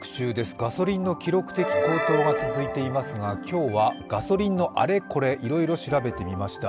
ガソリンの記録的高騰が続いていますが今日はガソリンのあれこれ、いろいろ調べてみました。